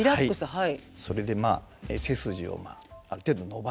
はい。